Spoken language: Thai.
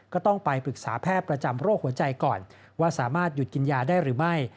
ก็ต้องไปปรึกษาแพทย์ประจำโรคหัวใจก่อนว่าสามารถหยุดกินยาได้หรือไม่